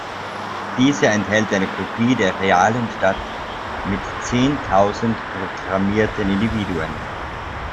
Dieser enthält eine Kopie der realen Stadt mit zehntausend programmierten Individuen.